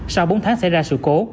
sau bốn tháng xảy ra sự cố